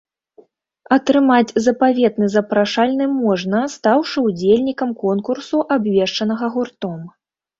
Атрымаць запаветны запрашальны можна, стаўшы ўдзельнікам конкурсу, абвешчанага гуртом.